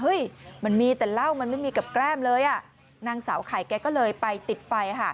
เฮ้ยมันมีแต่เหล้ามันไม่มีกับแก้มเลยนางสาวขายแก๊กก็เลยไปติดไฟ